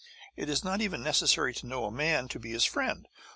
It is not even necessary to know a man to be his friend.